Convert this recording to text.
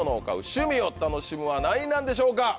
趣味を楽しむは何位なんでしょうか？